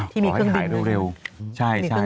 พี่นึกเรียกไหลเร็วใช่น้องหลุง